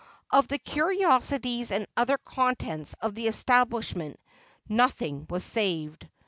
Of the curiosities and other contents of the establishment nothing was saved.